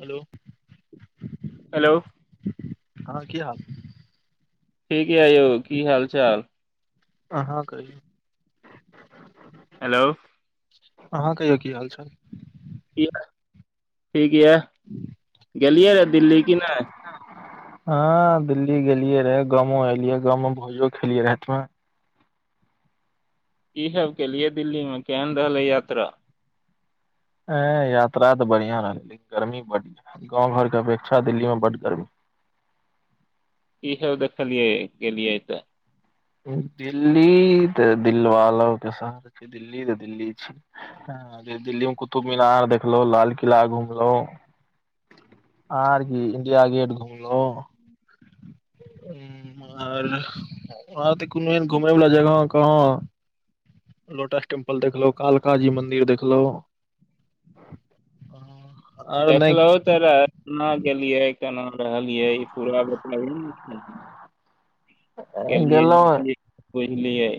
hello hello हँ की हाल ठीक य यौ की हाल चाल अहाँ क हेलो अहाँ कहियौ की हाल छै ठीक यऽ गेलियै दिल्ली कि नहि हँ दिल्ली गेलियै रहे गावो एलियै गाँव मे भोजो खेलियै रहे राति मे कि सभ केलिये दिल्ली मे केहन रहले यात्रा ह यात्रा तऽ बढ़िया रहलै लेकिन गर्मी बड य गाँंव घर के अपेक्षा दिल्ली बड गर्मी कि सब देख लिये गेलिए तऽ दिल्ली तऽ दिलवालो के शहर छै दिल्ली तऽ दिल्ली छी ह दिल्ली मे कुतुब मीनार देखलो लाल किला घुमलो आर की इन्डिया गेट घुम्लो ह आर वहाँ त कोनो एहन घुमै वाला जगह कहाँ लोटस टेम्पल देखलो कालक जी मंदिर देखलो ह [unintelligible] देखलहुँ त केना गेलियै केना रहलियै ई पूरा बताब ने छै गेललियए गेलहुँ बुझलियै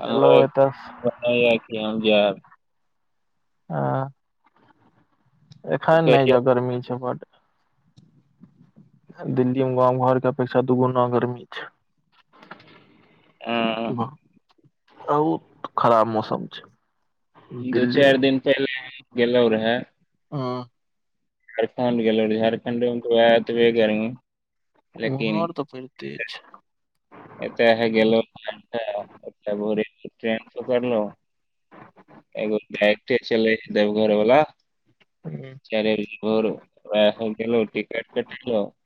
हमरो गेलहुँ एक एतऽ बनी जा आ एखन नहि कहिय जाउ गरमी छै बड़ दिल्ली मे गाँव घर के अपेक्षा दू गुणा गर्मी छै बहुत खराब मौसम छै दू दिल्ली चारि दिन पहिले गेलोह रहे हु झारखंड गेलै ओ झारखंडमे तऽ वएहऽ तवै गर्मी लेकिन वहाँ तऽ फेर तेज एत अह गेल भो ट्रेन पड़िकलोन्ह [unintelligible] एगो डाइरेक्टे चलै देवघर बला छै [unintelligible] गेल टिकट कटेलोन्ह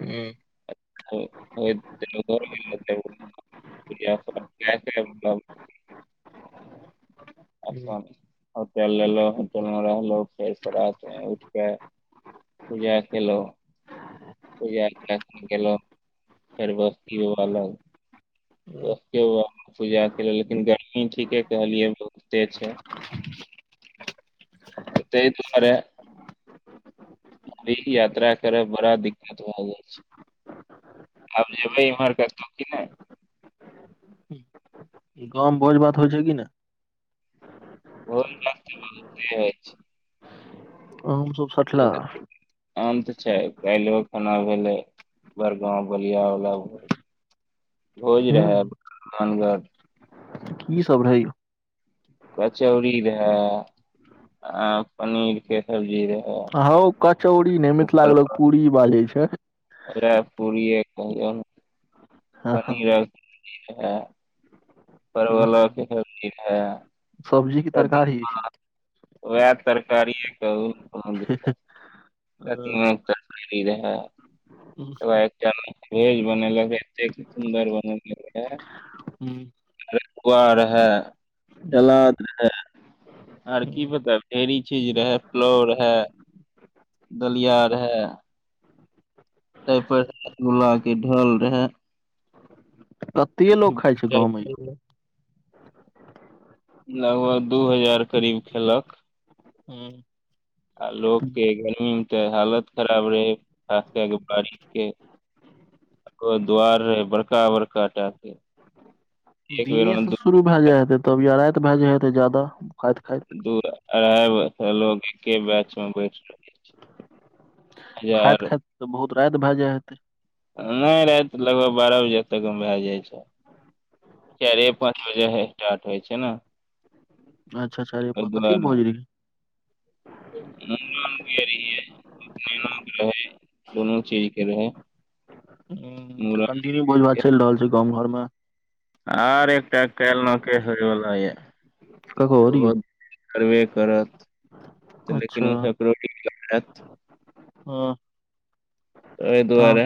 ह्म [unintelligible] अ होटल लेलो होटल मे रहलो फेर रात मे उठके [unintelligible] पूजा केलहु पूजा गेलेल फर बस्त भवाल [unintelligible] पूजा क लेकिन गर्मी ठीके कहलियै बहुते छै ताहि दुआरे अभी यात्रा करब बड़ा दिक्कत भऽ जाइ छै आब जेबै इम्हर करतौ कि नहि गाँव मे भोज भात होइ छै कि नहि ब [unintelligible] आ हो [unintelligible] आम तऽ छै काल्लो खना भेले बड़गाँव बलिया वला [unintelligible] भोज ह रहैै धन घर की सब रहै यौ कचौड़ी रहे आ पनीर के सब्जी रहे हौ कचौड़ी नहि लागलक पूड़री बाजै छै ओ पूरी पनीर परवला है सब्जी की तरकारी वैह तरकारी कहु प्रतिम त त एकटा भेज बनलत सुन्दर बनल रहै आ रहै सलाद रहै आर की हम्म, बताब ढेरी चीज रहै प्लाव रहै दलिया रहै ताहि पर बुला के ढल रहे कते लोग खाइ छै गाँव में यौ लगभग दू हजार करीब खेलक हँ आ लोगके गर्मी मे तऽ हालत खराब रहे खास कए के बारिके दुआर रहै बड़का बड़का टा के एक बेर दिने मे से दू शुरू भए जाय हेते तब या रातबभए जाय हेे जादा खाइत खाइत दू अढ़ाइ लोग एके बैच में बैठ हजार खाइत खाइत तऽ बहुत रात भए जाय हेतै नहि रात लगभग बारह बजे तकमे भए जाइ छै चारे पाँच बजे स्टार्ट होइ छै ना अच्छा अच्छ रे कथि के भोज रहै ह [unintelligible] दोनो चीजके रहै ह तऽ कंटिन्यू भोज भात चलि रहल छै गाँव घर मे आर एकटा काल्हि नके होइवला यऽ ककहर ओहो यौ करबे करत तऽ अच्छा लेकिन ओ रोटी लयत हँ एहि तहन दुआरे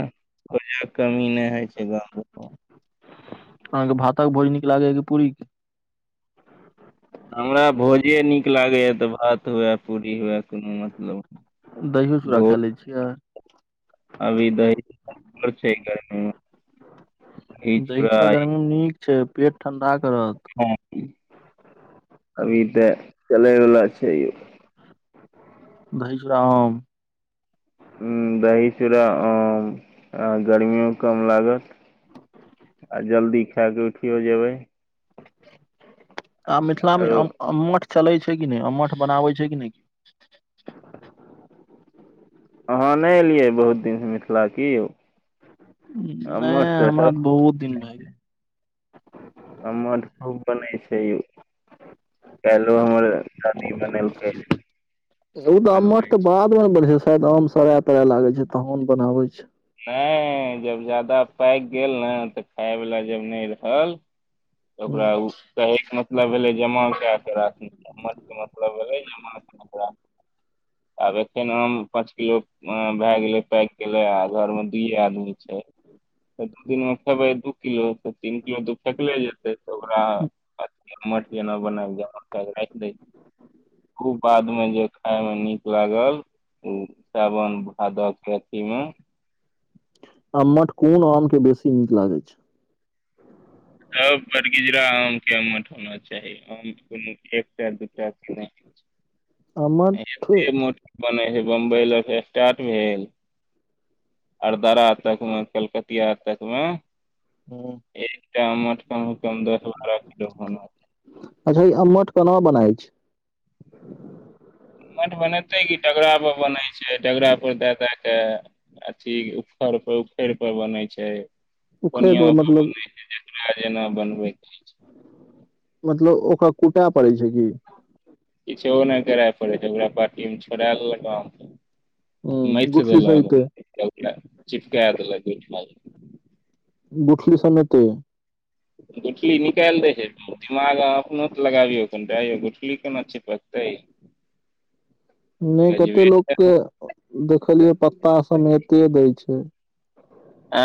कोजाक के कमी नहि होइ छै गाँव ग अहाँके भाता के भोज या नीक लागे हे पूरी कै हमरा भोजे नीक लागैए तऽ भात हुए पूरीयोए कोनो मतलब दहियो चूड़ा भोज खाय लै छियै अभी दहर छै कर [inaudible] दही चुड़ा गर्मी मे नीक छै पेट ठंडा करत अभी हम्म, तऽ चलैवला छै यौ दही चुरा आम हू दही चुरा आम आ गर्मियो कम लागत आ जल्दी खा के उठियो जेबै आब मिथिलामे आरो अम अम्मठ चलैत छै कि नहि अमठ बनाबैत छै कि नहि अहाँ नहि एलियै बहुत दिनसँ मिथिला की यौ हमर नहि त हमरा तऽ सब बहुत दिन भए ठीक अम्मठ खुब बनै छयौ काइलो हमर शादी बनेलकैन गेल ओ तऽ अम्मट तऽ बाद मे ने बढ़ छै शायद आम सराय तरा लागे छै तहन बनाबे छै नहि जब जादा पाकि गेल ने तऽ खायवला जब नहि रहल त ओकरा हूँ ओ कहैके मतलब भेलै जमा कए कऽ राखनेके मतलब भेलै जमा कऽ राखू आब एखन आम पाँच किलो भए गेलै पैक गेले आ घर मे दूए आदमी छै त दू दिन मे खेबै दू किलो तऽ तीन किलो दू फेकले जेतै तऽ ओकरा मठियाना बना खू [inaudible] मे जे खाय में नीक लागल ओ सावन भादक के अथी मे आम्मठ कोन आम के बेसी नीक लागै छै सब बरगिजरा आम के आमठ होना चाही आम कोनो एकटा दूटा नहि [unintelligible] छै अम्मट ऐते मोट बनै छै बम्बई लग स्टार्ट भेल अरद्रा तक मे कलकतिया तकमे हूँ [unintelligible] अच्छा ई अम्मट कोना बनाउल छै मठ बनेतै क डगरा पर बनै छै डगरा पर दए दए कै अथी उऊखर पर उखरि पर बनै छै उखड़ कोनिया पर आधा मतलब बनै छै जेका जेना बनबै छै [unintelligible] मतलब ओकरा कुटए पड़ै छै कि किछ नहि करय पड़े छै ओकरा पार्टी मे छोड़ लेलक आम कै हूँ गुठली मैथदेलक सहिते चिपकाय देलक गुठल सनेते गुठली निकाल दै छै दिमाग अहाँ अपनोसँऽ लगाबियौ कनिटा यौ गुठली केना चिपकतै [inaudible] नहि कते गजबे लोक के देखलियै पत्ता समे एते दैय छै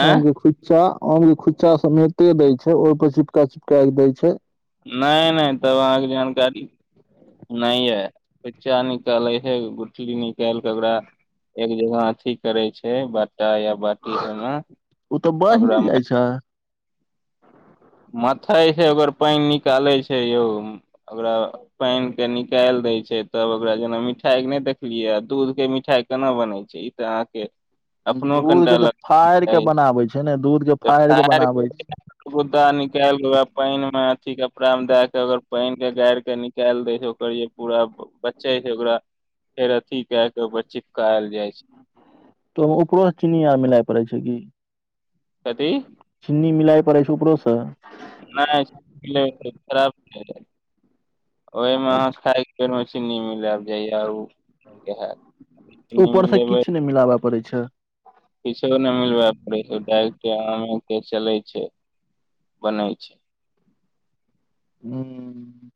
आँय आम के [unintelligible] से है आम के खुच्चा सब एते देय छै हि ओपर चिपका चिपका के देय छै नहि नहि तब अहाँके जानकारी नहि यै बच्चा निकालै हे गुठली निकाल कऽ ओकरा एक जगह अथी करे छै बट्टा या बाटी के [unintelligible] ओ तऽ बहि ने ओकरा जाइ छै माथइ छै ओकर पानि निकालै छै यौ ओकरा पानि के निकालि दैत छै तब ओकरा जेना मिठाई के नहि देखलियै आ दूध के मिठाई केना बनैत छै आहाँ कै दूध के तऽ फाड़ के चाही बनाबे छै ने दूध के फाड़ के बनाबै छै का निकालिक ओकरा पानि मे अथी कपड़ा मे दए के ओकर पानि के गैड़िक के गेएल दै छै ओकर जे पूरा बचे छै ओकरा [unintelligible] फेर अथी क के पर चिपकायल जाय छै तऽ ओकरो अर चीनी आर मिलाय पड़ै छै कि कथी चिन्नी मिलाइ पड़ै छै उपरो स नहि खरा ओहिमे अहाँ खाए के ना चीनी मिलै जाइयए आब उ ऊपर से किछ नहि मिलाबय पड़ै छै किछो नहि मिलबा पड़े छै डायरेक्ट के चले छै बनै छै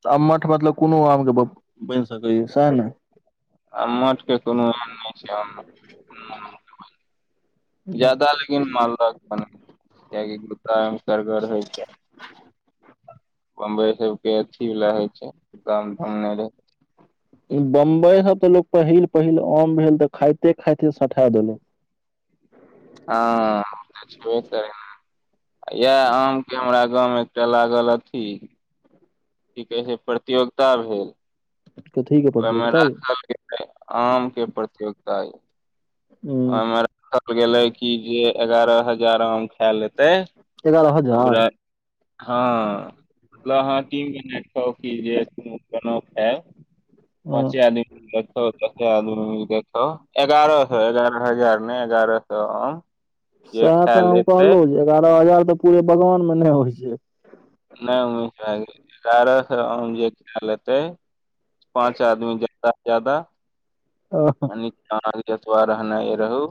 ह आममठ मतलब कोनो आम के बनि सकैय स‌एह नै आ मठ के कोनो नहि छै ने जादा लेकिन मालदक बनै छै कियाकि गदरगर हय बंबई सबके अथी वला होे छै काम धाम नहि रहाइ [unintelligible] बंबई सब तऽ लोक पहिल पहिल आम भेल तऽ खाते खाइते सटा देलक हँ छबे कर इएह आमके हमरा गाँव मै लागल अथी की कहै छै प्रतियोगिता भेल त ठीक ओहिमे राश के आम के प्रतियोगिता ह हूं, ओहिमे राखल गेलै कि जे एगारह हजार आम खाय लेतै एगारह हजार ओकरा हँ [unintelligible] पाँचे हँ आदमी देखौ दशे आदमी देख छ एगारह छ एगारह [unintelligible] दस हजार नहि एगारह सए आम जे से है खा तऽ हम लेतै कहलौ जे एगारह हजार तऽ पूरे बगान मे नहि होइ छै नहि उम्मीद भए गेलै एगारह सए आम जे खा लेतै पाँच आदमी जादा जादा नाना के जेतबे रहना रहु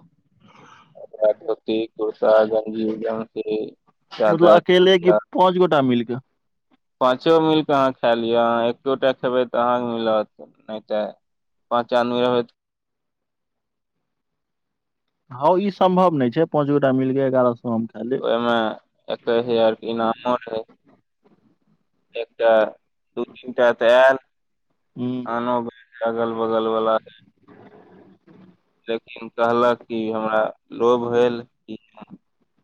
धोती कुर्ता गंजी [unintelligible] ज [unintelligible] से मतलब चादर अकेले कि पाँच गोटा मिलके पाँचो मिल कऽ आहाँ खाए लिअ आहाँ एकोटा खेबै तऽ आहाँके मिलत नहि तऽ पन्चैनोबे होत [unintelligible] ह ई सम्भव नहि छै पांच गोटा मिलके एगारह सए आम खाइ ले मे एकैस हजार के इनामो रहै एकटा दू तीनटा तऽ आयल हूँ आनो ब अगल बगल बला लेकिन कहलक कि हमरा लोभ भेल कि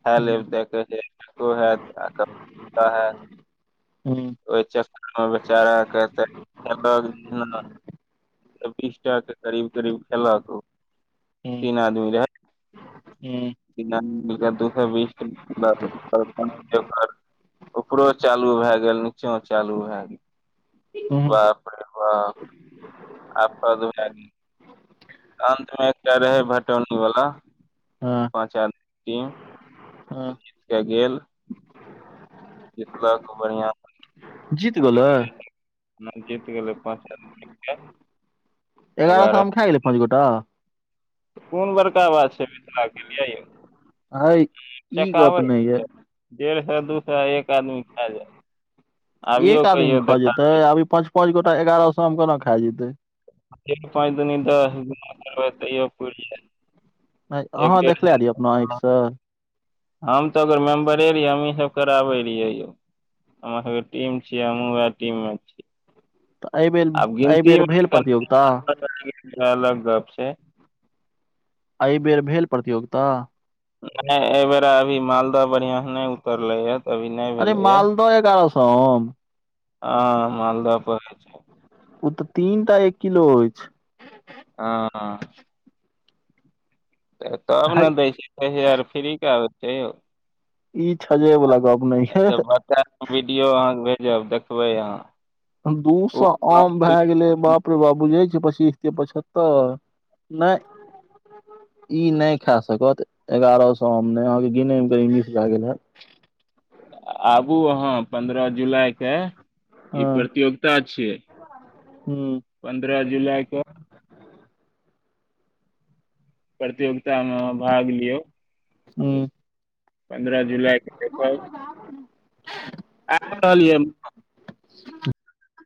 ह ले हूँ देखै हेत ह हू ओहि चक्कर मे बेचारा के त बीस टाक के करीब करीब खेलक हूँ तीन आदमी रहैत हूँ बिना मिल दू सए बीस ऊपरो चालू भए गेल नीचो चालू भए गेल हूँ, बाप रे बाप आ दु [unintelligible] अन्त मे एकटा रहै बटौनीवला हँ पाँच आदमी टीम हँ जीत के गेल जितलक बढ़ियां जीत गेलै नहि जीत गेलै पाँच हजार एगारह साए मे खा गेलै पाँच गोटा कोन बड़का बात छै मिथिलाके लिए यौ हय ई गप चकाबै नहि ये छै डेढ़ सए दू सए एक आदमी खा जाय एक आदमी ने खा जेतै आब ई पांच पांच गोटा एगारह सौ मे केना खा जतै पाँच दुनी दस तऽ करबै तयो [unintelligible] नहि आहाँ देखले रहियै अपना आँख सँ हम तऽ ओकर मेम्बरे रहिए हमहीँ सब कराबै रहियए यौ हमरा सभ केँ टीम छियै हम वए टीम मे छी तऽ एहि बेर आब गिनती एहिबेर भेल मे प्रतियोगिता अलग गप छै एहिबेर भेल प्रतियोगिता नहि एबेरा अभी मालदाह बढ़िया से नहि उतरले य अरे मालदह एगारह स‌ए आम आ मालदह अ ओ तऽ तीन टा एक किलो अछि हँ तब हय ने दैय छै दसहजार फ्रीके आब छै यौ ई छजै वला गप्प नहि छै तऽ बच्चा वीडियो आहाँके भेजब देखबै आहाँ दू सए आम भए गेलै बाप अरे बैआ बुझै छी पच्चीस तीय पचहत्तर नहि इ नै खा सकत एगारह सौ आम नै अहाँ के गिने मे कहीं मिस भय गेल हेत आबू अहाँ पन्द्रह जुलाई के ई हँ प्रतियोगिता छियै हूं पन्द्रह जुलाई के प्रतियोगिता मे भाग लियौ हूं अभी पन्द्रह जुलाई के देखव [inaudible] [inaudible]